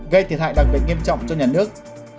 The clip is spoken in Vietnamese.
gây thiệt hại đặc biệt nghiêm trọng cho nhà nước